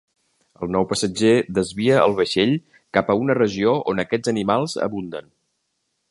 El nou passatger desvia el vaixell cap a una regió on aquests animals abunden.